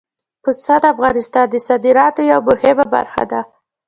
پسه د افغانستان د صادراتو یوه مهمه برخه ده.